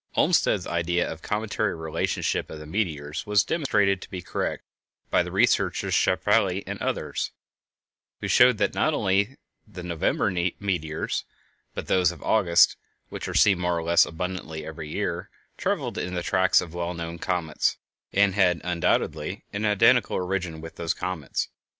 ] In the mean time Olmsted's idea of a cometary relationship of the meteors was demonstrated to be correct by the researches of Schiaparelli and others, who showed that not only the November meteors, but those of August, which are seen more or less abundantly every year, traveled in the tracks of well known comets, and had undoubtedly an identical origin with those comets.